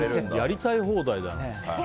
やりたい放題だね。